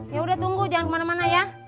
ya udah tunggu jangan kemana mana ya